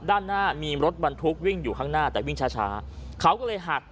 ด้านหน้ามีรถบรรทุกวิ่งอยู่ข้างหน้าแต่วิ่งช้าช้าเขาก็เลยหัก